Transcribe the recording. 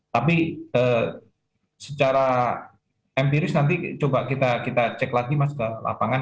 tapi secara empiris nanti coba kita cek lagi mas ke lapangan